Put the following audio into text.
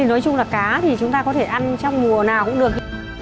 nói chung là cá thì chúng ta có thể ăn trong mùa nào cũng được